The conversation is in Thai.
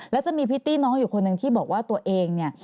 แล้วจะมีพิตตี้น้องอยู่คนหนึ่งที่บอกว่าตัวเองเนี่ย